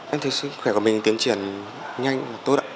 em thấy sức khỏe của mình tiến triển nhanh và tốt ạ